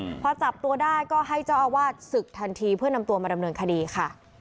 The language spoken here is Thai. พอจับตัวได้ก็ให้เจ้าอาวาสศึกทันทีเพื่อนำตัวมาดำเนินคดีค่ะ